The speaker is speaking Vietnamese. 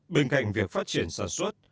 bên cạnh việc phát triển sản xuất